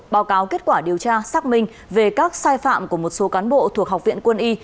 báo cáo kết quả điều tra xác minh về các sai phạm của một số cán bộ thuộc học viện quân y